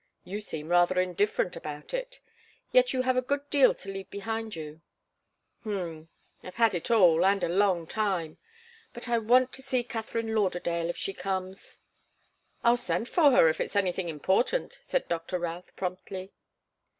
You seem rather indifferent about it. Yet you have a good deal to leave behind you." "H'm I've had it all and a long time. But I want to see Katharine Lauderdale, if she comes." "I'll send for her if it's anything important," said Doctor Routh, promptly.